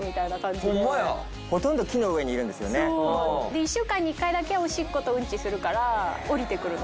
で１週間に１回だけおしっことうんちするから下りてくるの。